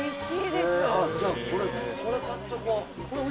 じゃあこれ買っとこう。